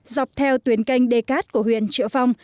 dọc theo tuyến canh đê cát của huyện triệu phong